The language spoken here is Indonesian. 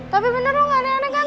tapi bener lo nggak aneh aneh kan